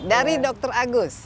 dari dokter agus